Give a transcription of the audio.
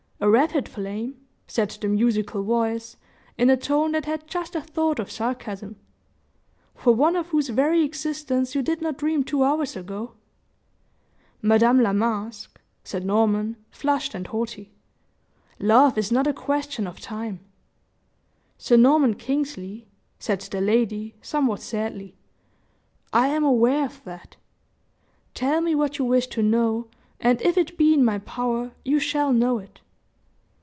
"A rapid flame," said the musical voice, in a tone that had just a thought of sarcasm; "for one of whose very existence you did not dream two hours ago." "Madame La Masque," said Norman, flushed sad haughty, "love is not a question of time." "Sir Norman Kingsley," said the lady, somewhat sadly, "I am aware of that. Tell me what you wish to know, and if it be in my power, you shall know it."